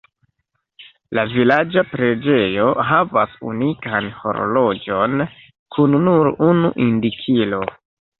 La vilaĝa preĝejo havas unikan horloĝon kun nur unu indikilo.